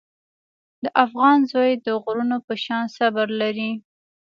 د افغان زوی د غرونو په شان صبر لري.